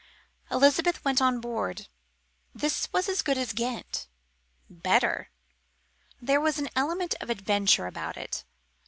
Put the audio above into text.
Elizabeth went on board. This was as good as Ghent. Better. There was an element of adventure about it.